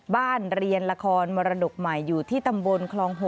เรียนละครมรดกใหม่อยู่ที่ตำบลคลอง๖